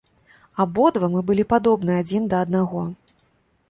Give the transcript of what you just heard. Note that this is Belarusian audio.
Абодва мы былі падобны адзін да аднаго.